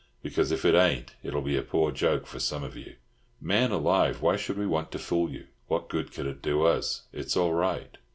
Because, if it ain't, it'll be a poor joke for some of you!" "Man alive, why should we want to fool you? What good could it do us? It's all right."